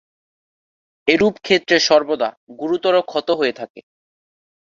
এরূপ ক্ষেত্রে সর্বদা গুরুতর ক্ষত হয়ে থাকে।